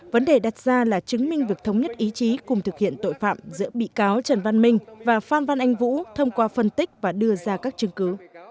vấn đề đặt ra là chứng minh việc thống nhất ý chí cùng thực hiện tội phạm giữa bị cáo trần văn minh và phan văn anh vũ thông qua phân tích và đưa ra các chứng cứ